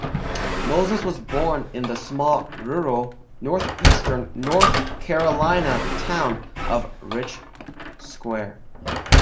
Moses was born in the small, rural, northeastern North Carolina town of Rich Square.